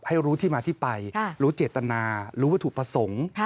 ให้รู้ที่มาที่ไปรู้เจตนารู้วัตถุประสงค์